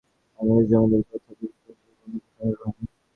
বাংলাদেশে জমিদারি প্রথা বিলুপ্ত হলেও ভূমি সংস্কার হয়নি।